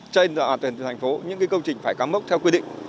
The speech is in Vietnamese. trên đoàn tuyển thành phố những công trình phải cắm mốc theo quy định